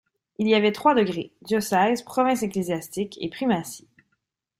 Il y avait trois degrés, diocèse, province ecclésiastique et primatie.